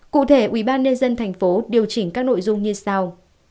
cụ thể ubnd tp điều chỉnh các nội dung như sau